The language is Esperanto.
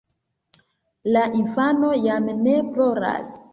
La infano jam ne ploras.